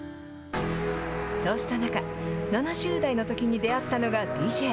そうした中、７０代のときに出会ったのがＤＪ。